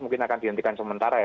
mungkin akan dihentikan sementara